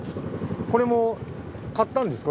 これも買ったんですか？